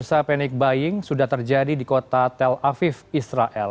usaha panic buying sudah terjadi di kota tel aviv israel